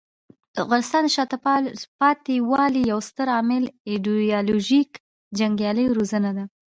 د افغانستان د شاته پاتې والي یو ستر عامل ایډیالوژیک جنګیالیو روزنه ده.